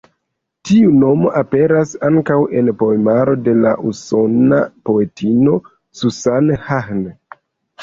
Tiu nomo aperas ankaŭ en poemaro de la usona poetino Susan Hahn.